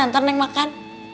ntar neng makan